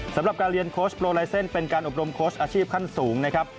สำหรับการเรียนโค้ชโปรไลเซ็นต์เป็นการอบรมโค้ชอาชีพขั้นสูงนะครับ